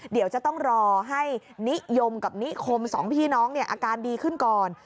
เดี๋ยวจะต้องรอให้นิยมกับนิคมสองพี่น้องอาการดีขึ้นก่อน